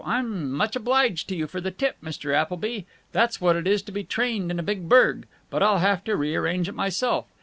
I'm much obliged to you for the tip, Mr. Appleby. That's what it is to be trained in a big burg. But I'll have to rearrange it myself.